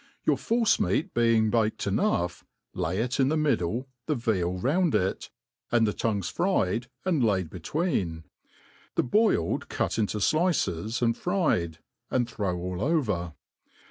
Your force*meat being baked enough, lay \\ ia the middle, the veal round it, and the tongues fried, and laid between ; the boiled cut into dices, and fried, and throw all over.